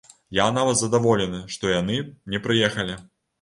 Я нават задаволены, што яны не прыехалі.